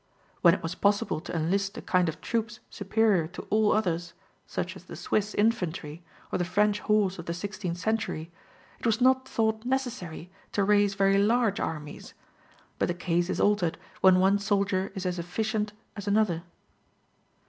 When it was possible to enlist a kind of troops superior to all others, such as the Swiss infantry or the French horse of the sixteenth century, it was not thought necessary to raise very large armies; but the case is altered when one soldier is as efficient as another.